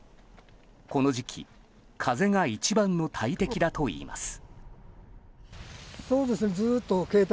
この時期風が一番の大敵だといいます。